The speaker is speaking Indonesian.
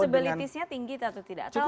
posesibilitasnya tinggi atau tidak